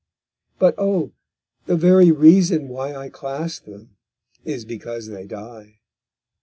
But oh! the very reason why I clasp them, is because they die_.